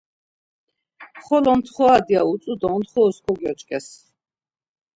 Xolo mtxorat ya utzu do ontxorus kogyoç̌ǩes.